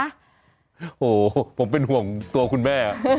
โหผมเป็นห่วงตัวคุณแม่อะ